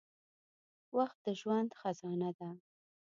• وخت د ژوند خزانه ده.